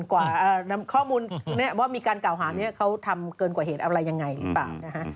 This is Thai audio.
ข้อมูลว่ามีการกล่าวหาเขาทำเกินกว่าเหตุอะไรยังไงหรือเปล่า